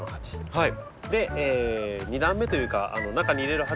はい。